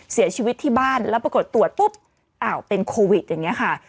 เสียชีวิตที่บ้านแล้วปรากฏตรวจปุ๊บอ้าวเป็นโควิดอย่างนี้ค่ะ